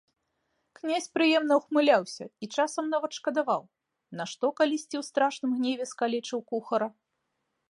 Князь прыемна ўхмыляўся і часам нават шкадаваў, нашто калісьці ў страшным гневе скалечыў кухара.